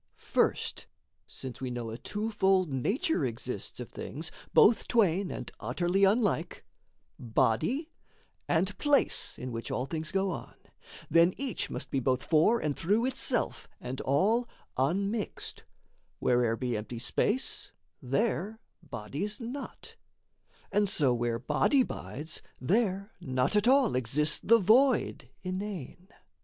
First since we know a twofold nature exists, Of things, both twain and utterly unlike Body, and place in which an things go on Then each must be both for and through itself, And all unmixed: where'er be empty space, There body's not; and so where body bides, There not at all exists the void inane.